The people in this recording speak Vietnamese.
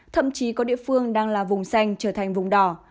thậm chí có địa phương đang là vùng xanh trở thành vùng đỏ